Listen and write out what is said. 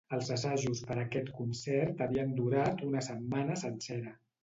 Els assajos per a aquest concert havien durat una setmana sencera.